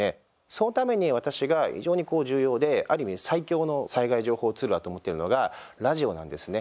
そのために私が非常に重要である意味、最強の災害情報ツールだと思っているのがラジオなんですね。